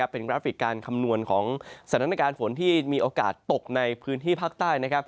เป็นกราฟิกการคำนวณของสถานการณ์ฝนที่มีโอกาสตกในพื้นที่ภาคใต้